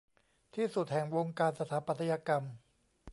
ที่สุดแห่งวงการสถาปัตยกรรม